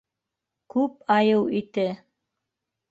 Күп айыу ите!